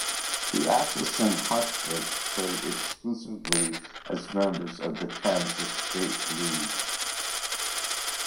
The Atchison Huskers played exclusively as members of the Kansas State League.